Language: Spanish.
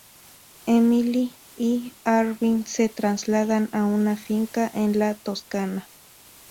Emily y Arvin se trasladan a una finca en la Toscana.